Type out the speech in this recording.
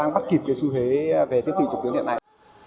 đang bắt kịp cái xu hế về tiết tị trực tuyến hiện nay